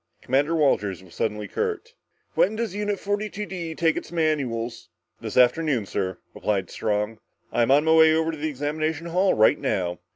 Commander Walters was suddenly curt. "When does Unit 42 D take its manuals?" "This afternoon, sir," replied Strong. "I'm on my way over to the examination hall right now."